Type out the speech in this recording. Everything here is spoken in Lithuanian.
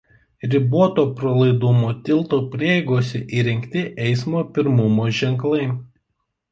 Riboto pralaidumo tilto prieigose įrengti eismo pirmumo ženklai.